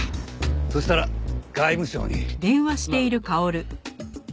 そしたら外務省に。